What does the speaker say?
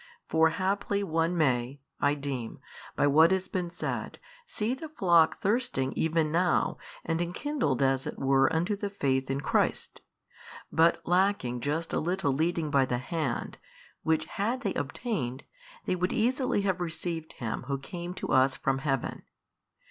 For haply one may (I deem) by what has been said see the flock thirsting even now and enkindled as it were unto the faith in Christ, but lacking just a little leading by the hand, which had they obtained, they would easily have received Him Who came to us from Heaven.